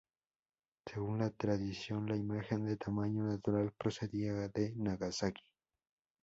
Según la tradición la imagen, de tamaño natural procedía de Nagasaki.